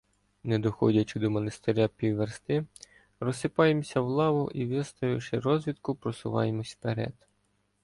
Не доходячи до монастиря півверсти, розсипаємося в лаву і, виславши розвідку, посуваємося вперед.